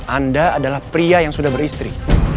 anda adalah pria yang sudah beristri